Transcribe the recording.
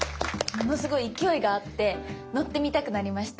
ものすごい勢いがあって乗ってみたくなりました。